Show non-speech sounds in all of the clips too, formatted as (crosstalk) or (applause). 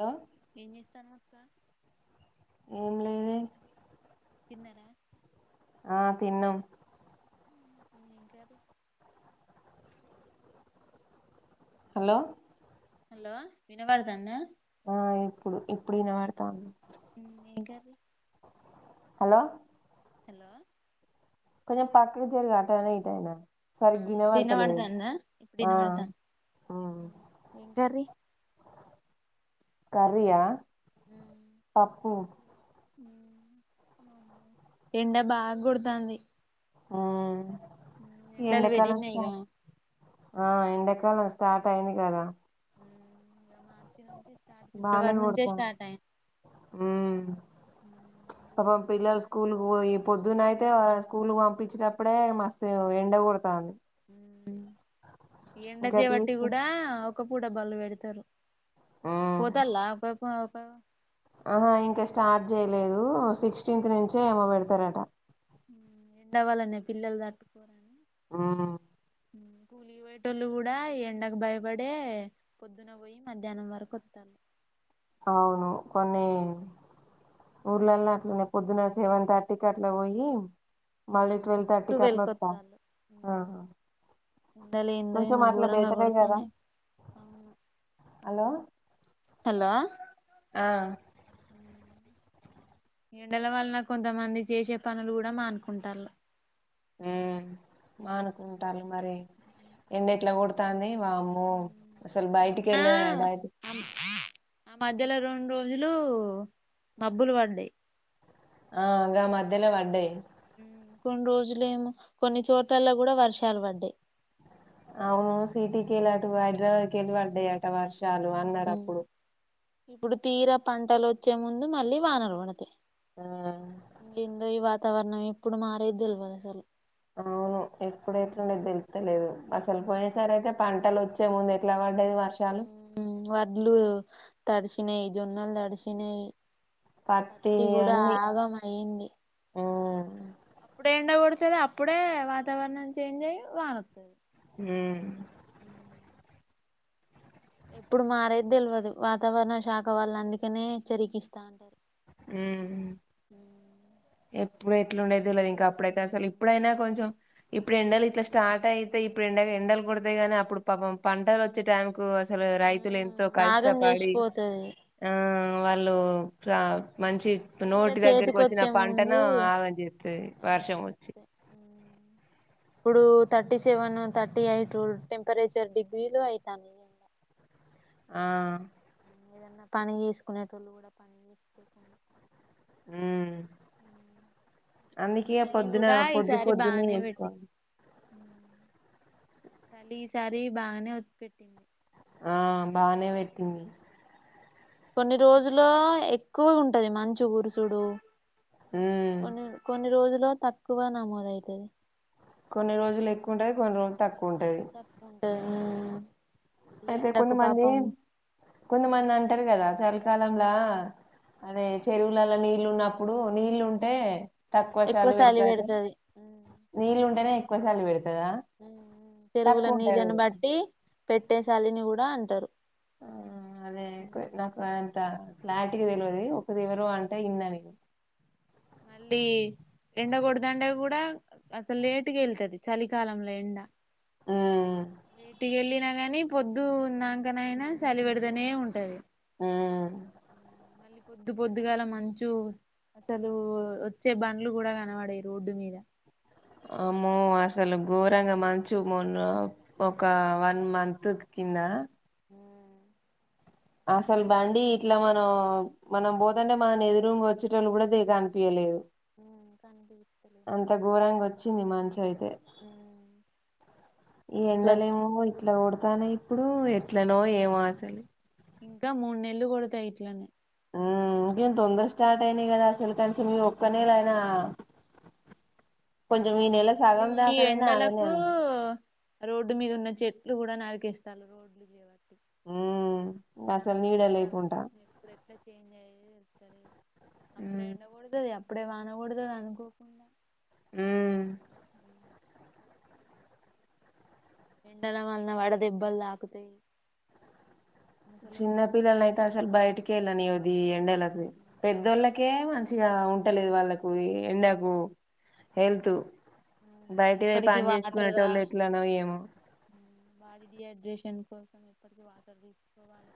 Hello ఏం చెత్తనవ్ అక్క ఏం లేదే తిన్నర ఆ తిన్నం మేం కర్రీ హలో హలో వినబడతంద ఆ ఇప్పుడు ఇప్పుడు వినబడతంది ఏం కర్రీ హలో హలో కొంచెం పక్కకు జరుగు అటాయిన ఇటైన ఆ ఇప్పుడిన వడతాంద ఆ ఇప్పుడినవడతంది ఉమ్. ఏం కర్రీ కర్రి ఆ పప్పు ఎండ బాగా కుడతంది ఈ ఎండకాలం పెరిగినాయి ఇగ స్టార్ట్ ఆ ఎండకాలం స్టార్ట్ అయింది కదా ఇగ మార్చి నుంచి స్టార్ట్ బానే ఫిబ్రవరి నుంచే కొడతాంది స్టార్ట్ అయ మ్మ్ పాపం గోరంగ పిల్లలు కొడుతన్నాయి స్కూల్ కు పోయి పొద్దున అయితే వాళ్లను స్కూల్ పంపించేటప్పుడే మస్తు ఎండ కొడతంది ఎండ ఇంకా జే వట్టి తీసుకు కూడా ఒక్కపూట బడులు పెడతరు. మ్మ్ పోతళ్ళ ఒక పో కా ఆహా ఇంకా స్టార్ట్ చేయలేదు. సిక్స్టీన్త్ నుంచే ఏమో పెడతారట. ఊ ఎండ వలనే పిల్లలు తట్టుకోరని ఆ ఉ కూలీ పోయేటోళ్ళు కూడా ఈ ఎండకు భయపడే పొద్దున పోయి మధ్యాహ్నం వరకు వత్తరు. అవును కొన్ని ఊర్లల్ల అట్లనే పొద్దున సెవెన్ థర్టీకి అట్ల పొయ్యి ఊ ట్వెల్వ్ కొత్తళ్ళు ఊ ఆహా ఎండలేందో కొంచెం ఏమో అట్లా ఘోరంగ బెటరే కదా కొడతానయి అవును. హలో హలో ఆ ఎండల వలన కొంతమంది చేసే పనులు కూడా మానుకుంటాల్లు. ఊ మానుకుంటాలు మరి. ఎండ ఎట్ల కొడతాంది. వామ్మో ఊ అసలు బయటికి మొన్న వెళ్ళ బయట ఆ ఆ మధ్యలో రెండు రోజు రోజులు మబ్బులు పడ్డాయి. ఆగా మధ్యలో పడ్డాయి. కొన్ని రోజులేమో కొన్ని చోట్లల్ల కూడా వర్షాలు పడ్డాయి. అవును సిటీ కేల్లిఅటు హైదరాబాద్ కెళ్లి వడ్డాయి ఆట్ వర్షాలు అన్నారు అప్పుడు. ఇప్పుడు తీరా పంటలు వచ్చే ముందు మళ్ళీ వానలు పడతాయి. ఆ ఏందో ఈ వాత వాతావరణం ఇప్పుడు మారేది తెల్వదు అసలు అవును. ఎప్పుడు ఎట్లుండేది తెలుస్తలేదు అసలు పోయిన సారీ అయితే పంటలు వచ్చ ముందు ఎట్లానో ఊహు వడ్లు తడిసినయి జొన్నలు తడిసినయి. పత్తి అన్నీ అయింది ఊ అప్పుడే ఎండ కొడుతుంది అప్పుడే వాతావరణం చేంజ్ అయ్యి వానత్తది. ఊ ఊ ఎప్పుడు మారేది తెల్వదు వాతావరణ శాఖ వాళ్ళు అందుకనే చెరికిస్తా అంటారు. ఉహు ఎప్ ప్పుడు ఇట్లుండదు లే అప్పుడైతే అసలు ఇప్పుడయినా కొంచెం ఇప్పుడు ఎండలు ఇట్లా స్టార్ట్ అయితే ఇప్పుడు ఎండ ఎండలు కొడతాయి గానీ అప్పుడు పాపం పంటలు వచ్చే టైం కు అసలు రైతులు ఎంతో ఆగం కష్టపడి చేసిపోతది ఆ వాళ్ళు ట్లా మంచి తీర నోటి దగ్గరకి వచ్చిన చేతికొచ్చే ముందు పంటను ఆగం చేస్తది ఆగని వర్షం వచ్చి చెప్తే ఇప్పుడు thirty seven thirty eight temperature డిగ్రీలు అయితాంది ఆ ఏదన్నా పని చేసుకునేటోళ్ళు కూడా పని చేసుకోకుండా ఉ అందుకే చలి పొద్దున కూడా పొద్దు ఈసారి పొద్దునే బానే పెట్టింది ఏసుకోవాలి చలి ఈసారి బాగనే ఒత్తిపెట్టింది ఆ బానే పెట్టింది కొన్ని రోజుల్లో ఎక్కువ ఉంటది మంచు కురుసుడు ఉమ్ కొన్ని కొన్ని రోజులు తక్కువ నమోదయితది కొన్ని రోజులు ఎక్కువ ఉంటది కొన్ని రోజులు తక్ కుంటది ఆ అయితే కొంతమంది కొంతమంది అంటారు కదా చల్ కాలంలా అదే చెరువులలో నీళ్లు ఉన్నప్పుడు నీళ్లు ఉంటే తక్కువ ఎక్కువ చాలి సలి పెడతాది పెడతది నీళ్ళు ఉంటేనే ఎక్కువ సలి పెడ్ ఉ చెరువుల నీళ్ళను పెడతదా బట్టి పెట్టే సలిని కూడా అంటారు ఆ అదే కొ నాకు ట క్లారిటీగా తెలవది ఒకరు ఎవరో అంటే విన్న నేను మళ్ళీ ఎండ కొడదంటే కూడా అసలు లేటుగా వెళ్తది చలికాలంలో ఎండ ఉమ్ లేటికి వెళ్ళ నాక్ కాని పొద్దు ఉన్నాంకన అయినా చలిపెడతనే ఉంటది ఉ మళ్ళీ పొద్దు పొద్దుగలా మంచు అసలు లు వచ్చే బండ్లు కూడా కనబడే రోడ్డు మీద అమ్మో అసలు ఘోరంగా మంచు మన్న ఒక వన్ మంత్ కింద అసలు బండి ఇట్లా మనం మనం పోతుంటే మన ఎదురుంగ వచ్చేటోళ్ళు కూడా కనిపియలేదు కనిపిస్తలే అంత ఘోరంగా వచ్చింది మంచయితే ఈ అట్లా ఎండలేమో ఇట్లా కొడు తను ఇప్పుడు ఎట్లనో ఏమో అసలు ఇంకా మూడు నెల్లు కొడతాయి ఇట్లనే. ఉ ఏం తొందర స్టార్ట్ అయినాయి కదా అసలు కని ఈ ఒక్క నెలైనా మళ్ళీ సగం దాకానైనా ఆగనే ఎండలకు ఆగదు రోడ్డు మీద ఉన్న చెట్. చెట్లు కూడా నరికేస్తల్లు రోడ్లు చేబట్టి. ఉమ్ బస్. కాత ఎప్పుడు ఎట్లా చేంజ్ అయ్య. సరే. అప్పుడే ఉమ్, ఎండ కొడుతది. అప్పుడే వానకొడుతాది అనుకోకుండా. ఉమ్. ఎండల వలన వడ దెబ్బలు తాకుతాయి. చిన్న ముసలోళ్ళు పిల్లల్ని ఐతే ఎవరైనా అసలు ఉంటే. బైటికే ఎల్లనియోధ్. ఇది ఎండలకు పెద్దోళ్ళకే మంచిగా ఉంటలేదు వాళ్ళలకు ఎండకు. హెల్త్. అవును బయటి పోయి ఎప్పటికి పని వాటర్ చేసుకునేటోళ్ళు తాగాలి ఎట్లానో ఏమో. బాడీ డిహైడ్రేషన్ కోసం ఎప్పటికి వాటర్ తీసుకోవాలే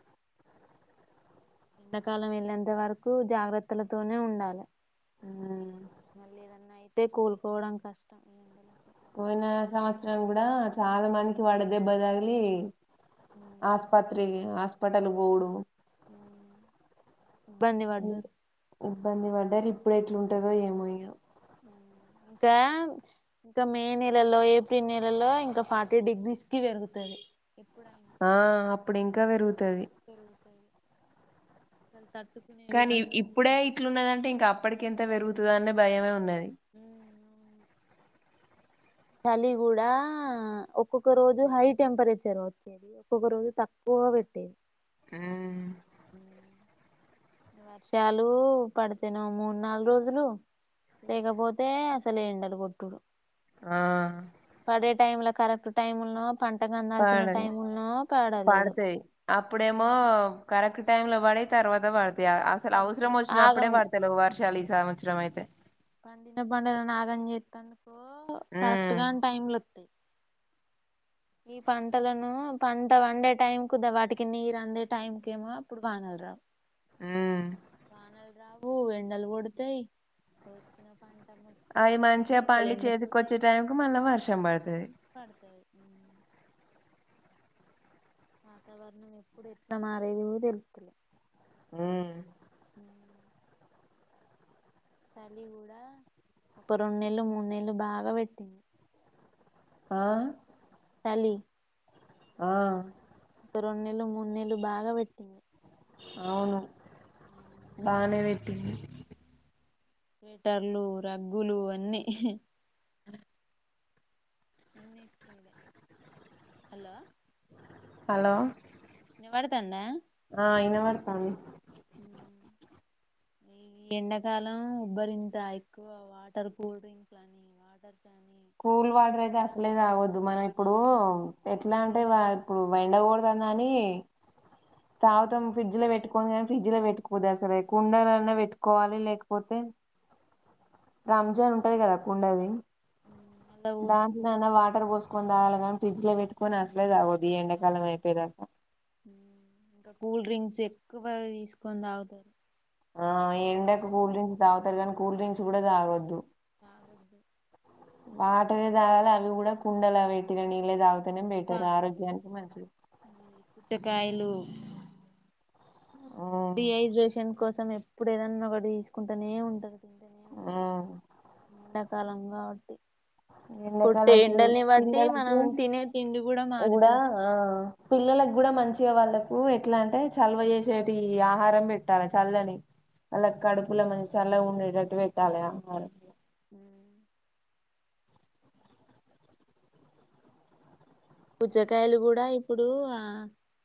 ఎండాకాలం వెళ్ళేంత వరకు జాగ్రత్తలతోనే ఉండాలే. ఉమ్, మల్లిద. అయితే కోలుకోవడం కష్టం. ఈ ఎండలకు పోయిన సంవత్సరం కూడా చాలా మందికి వాడ దెబ్బ దగిలి. ఆస్పత్రి ఆస్. ప్పటలు పోడు. ఇ- ధన్యవాదలు. ఇబ్బంది పడ్డారు ఇప్పుడు ఎట్లుంటదో ఏమో ఇగ. ఇంకా ఇంకా మే నెలలో ఏప్రిల్ నెలలో ఇంకా ఫార్టీ డిగ్రీస్ కి పెరుగుతది ఇప్పుడు. ఆ అప్పుడు ఇంకా పెరుగుతు. పెరుగుతది. అస్సలు తట్. కానీ ఇప్పుడే ఇట్లున్నదంటే ఇంకా అప్పటికి ఎంత పెరుగుతుంది. నే భయమే ఉన్నది. హుమ్ అవును. చలి కూడా ఒక్కొక్క రోజు హై టెంపరేచర్ వచ్చేది ఒక్కొక్క రోజు తక్కువ పెట్టేది. ఉమ్. వర్షాలు పడితేనేమో మూడ్ నల్రోజులు రోజులు లేకపోతే అస్సలే ఎండలు కొట్టుడు. ఆ పదే. టైమ్ల కరెక్ట్ టైమ్ ఉ పాడ పడలేదు పాడుతే అప్పుడేమో కరెక్ట్ టైమ్ల వాడి తర్వాత వాళ్దు (unintelligible) ఇది అసలు అవసరం పడతాయి ఆగం వచ్చినప్పుడే పడతాలేవు వర్షాలు ఈ సంవత్సరం అయితే పండిన పంటలను ఆగం చేస్తందుకు కరెక్ట్ ఉమ్ గా టైంలు (unintelligible) ఇప్ప వానలు ఉమ్ బు ఎండలు కొడతాయి అవి వచ్చిన మంచిగా మొలకలు పండి ఎండిపోతాయి చేతికిొచ్చే టైం కు మళ్ళా వర్షం పడుత ది పడతాయి వాతావరణం ఎప్పుడు ఎట్లా మారేదివో తెలుతులే హమ్ చలి కూడా ఒక రెండు నెలలు మూడు నెలలు బాగా ఆహ్ చలి ఆ ఒక రెండు నెలలు మూడు నెలలు బాగా పెట్టింది అవును బానే (inaudible) స్వెట్టర్లు రగ్గులు అన్నీ హలో హా లో పద్తాంద ఆ ఇనపడ్తంది ఎండాకాలం ఉబ్బరింత ఎక్కువ అని కూల్ వాటర్ అయితే అసలే తాగొద్దు మనం ఇప్పుడు తాగొద్దు ఎట్లా అంటే ఇప్పుడు ఎండకో డదన్నని ఉమ్, తాగుతం ఫ్రిడ్జ్ లో పెట్టుకోని ఫ్రిడ్జ్ లో పెట్టుకుపోతే అసరే కుండలున్నా పెట్టుకోవాలి లేకపోతే రంజన్ ఉంటంది కదా కుండది ఉమ్, మళ్ళా దాంట్లో పోసుకోవాలి నాన్న వాటర్ పోస్ కొాల ఫ్రిడ్జ్ లో పెట్టుకుని అసలే తాగొద్దు గీఎండ కాల తాగొద్దు అయపో దాకా ఉమ్, ఇంకా కూల్ డ్రింక్స్ ఎక్కువ తీసుకొని తాగుతారు ఆ ఎంండకు సోడాలు కూల్ డ్రింక్స్ తాగుతారు కానీ కూల్ డ్రింక్స్ కూడా తాగద్దు తాగొద్దు వాటరే తాగాల అవి కూడా కుండలా పెటినా నీళ్ళు తాగుతనే బెటర్ తాగాలి ఆరోగ్యానికి మంచిది మళ్ళీ పుచ్చకాయలు ఉమ్ ం ఎప్పుడు ఏదన్నా ఒకటి తీసుకుంటూనే ఉంటాది ఉమ్ కాలం కాబట్టి కొట్టే ఎండాకాలంకి ఎండల్ని బట్టి పిల్లలకు, మనం తినే తిండి ఉ కూడా మారిపోతుంది ఆ పిల్లల్లక్ కూడా మంచి వచ్చే వాళ్ళకు ఎట్లా అంటే చల్ల్వ చేసేటి ఆహారం పెట్టాలి చల్లని అలా కడుపులో మంచి చల్లవు. డేటట్టు పెట్టాలె ఆ ఐను హు పుచ్చకాయలు కూడా ఇప్పుడు ఆ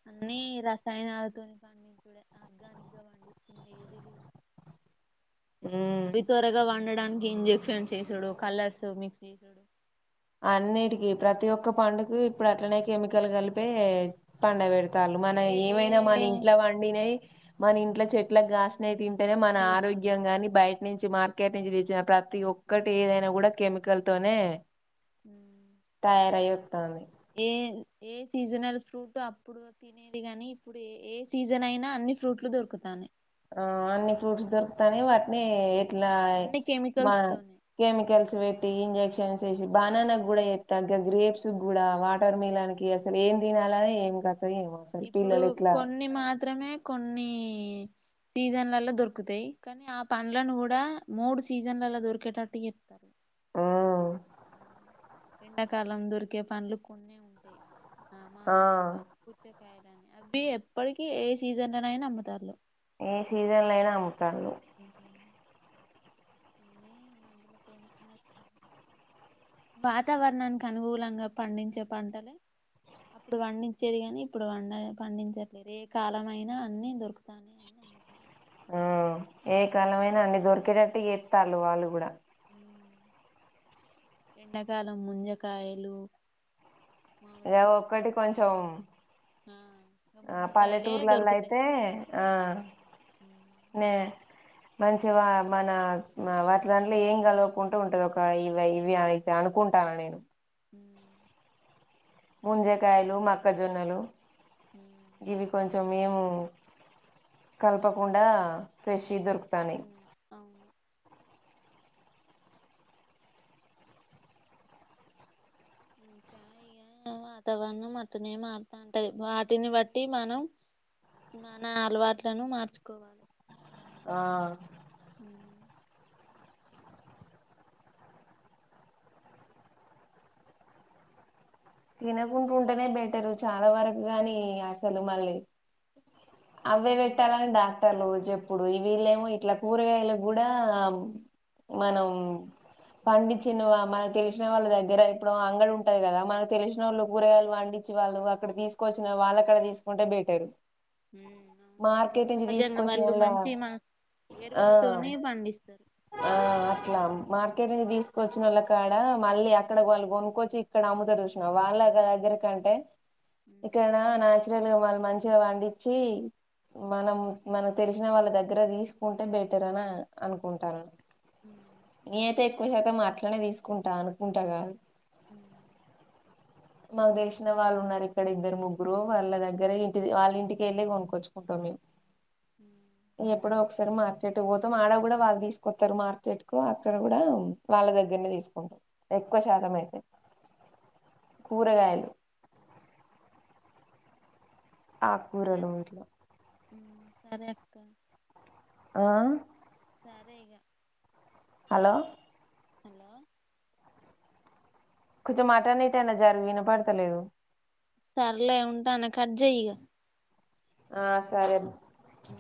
అన్ని రసాయనాలతోని పండించుడె ఆర్గానిక్ గా పండించింది ఏదిలేదు. ఉమ్ అవి త్వరగా పండడా కి ఇంజెక్షన్ చేసుడు కలర్స్ మిక్స్ చేసుడు. అన్నిటికీ ప్రతి ఒక్క పండు ఇప్పు అట్లనే కెమికల్ కలిప్ పే పండ ఎ రాలు మనయ్ ఏ ఏమైనా ఏ మనింట్లో వండినయి మన ఇంట్లో చెట్లక్ మనం గాస్నయ్ తింటనే మన చేసుకొనే తినాలి ఆరోగ్యం గాని బయ్ నించి మార్కెట్ నించి తెచ్చిన ప్రతి ఒక్కటి ఏదైనా కూడా కెమికల్ తోనే తయారయ్ తామి ఏ ఏ సీజినల్ ఫ్రూట్ అప్పుడు తినేది కాని ఇప్పుడు ఏ ఏ సీజన్ ఐనా అన్ని ఫ్రూట్లు దొరుకుతానై ఆ అన్ని ఫ్రూట్స్ దొరుకుతానయ్ వాట్ నే ఇట్లా అన్ని మా కెమికల్స్ తోనే కెమికల్స్ వెట్టి ఇంజెక్షన్స్ ఏసి బాననా కూడా ఎత్తాంగంగ్రు గ్రేప్స్ కూడా వాటర్ మిలాన్ కి అసల ఏం తినాల్ అనే ఏంగ ఇప్పుడు కొన్ని మాత్రమే కొన్ని సీజన్లలో దొరుకుతయ్ కానీ ఆ పండ్లను కూడా మూడు సీజన్లలో దొరికేటట్టు ఎత్తారు. ఉమ్, ఎండాకాలం దొరికే పండ్లు కొన్నె ఉంటయ్. ఆ మామిడి పండ్లని పుచ్చకాయ అవి ఎప్పటికి ఏ సీజన్ ల నయిన అమ్ముతార్లు. ఈ సీజన్లయినా అమ్ మెన్ మందులతోని (unintelligible) వాతావరణానికి అనుగూలంగా పండించే పంటలే అప్పుడు పండించేది గనీ ఇప్పుడు వండ పండించట్లేదు ఏ కాలమైనా అన్ని దొరుకుతానయని అమ్ముతాల్లు ఆ ఏ కాలమేనా అన్నీ దొర్ కెరేట్టీగా ఎత్తాళ్ళు వాళ్ళు కూడా ఎండాకాలం ముంజకాయలు ఇగ మామిడి పండ్లు ఒక్కటి కొంచెం ఆ ఇక ఆ ముంజకాయలే పల్లెటూర్లలో దొరుకుతాయి అయితే ఇలా ఆ ఉమ్, నే మంచి వా మన వాటి దాంట్ల ఏం కలువకుంటూ ఉంటది ఒక ఇవి ఇవి అ అనుకుంటాను నేను హుమ్ ముంజకాయలు మక్కజొన్నలు ఉమ్, ఇవి కొంచెం మేము కలపకుండా ఫ్రెష్ దొరుకు ఉమ్ అవును ఇంకా ఇగ వాతావరణం అటునే మారుతాంటది వాటిని బట్టి మనం మన అలవాట్లను మార్చుకో ఆ ఉమ్ తినకుంటు ఉంటేనే బెటరు చాలా వరకు కాగాని అసలు మళ్ళీ అవే ఉమ్. వెట్టాలని డాక్టర్ లోజ చెప్పుడు వీళ్ళేమో ఇట్లా కూరగాయలు కూడా మనం పండించిన మన తెలిసిన వాళ్ళ దగ్గర ఇప్పుడు అంగడి ఉంటది కదా మన తెలిసినోళ్ళు గురగాళ్ళు పండిచ్చి వాళ్ళు అక్కడ తీసుకొచ్చిన వాళ్ళు అక్కడ తీసుకుంటే బెటరు అవును మార్కెట్ నుంచి సహజంగా తీసుకొచ్చిన వాళ్ళు వాళ్ళ మంచి మా ఆ ఎరువులతోనే పండిస్తారు ఆ అట్లా మార్కెట్ ను ని తీసుకొచ్చి నోళ్ళ కాడ మళ్ళీ అక్కడ వాళ్ళు కొన్క్కొచ్చి ఇక్కడ అమ్ముతరు జూస్ వాళ్ళగా దగ్గరకంటే ఉమ్ ఇక్కడ నా జంగా వాళ్ళు మంచిగా పండిచ్చి మనం మనకు తెలిసిన వాళ్ళ దగ్గర తీసుకుంటే బెటర్ ని అని అనుకుంటాను ఉమ్ ఏతే ఎ శాతం అట్లనే తీసుకుంటా అనుకుంటా కానీ హ మాకు తెలిసిన వాళ్ళు ఉన్నారు ఇక్కడ ఇద్దరు ముగ్గురు వాళ్ళ దగ్గర ఇంటి వాళ్ళ ఇంటికి వెళ్ళి కొనుక్కొచ్చుకుంటాం మేము ఉమ్ ఏప్పుడ మార్కెట్ పోతాం ఆడ కూడా వాళ్ళు తీసుకొస్తారు మార్కెట్ కు అక్కడ కూడా వాళ్ళ దగ్గరనే తీసుకుంటాం ఎక్కువ శాతం అయితే సరే కూరగాయలు ఆ కూూరలుట్లో సరేక్క ఆ సరేగా హలో హలో కొంచెం మాటన్నిటనా జారు వినపడతలేదు సర్లే ఉంటా కట్ చేయక ఆ సరే